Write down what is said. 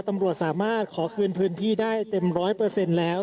ตำรวจสามารถขอคืนพื้นที่ได้เต็มร้อยเปอร์เซ็นต์แล้ว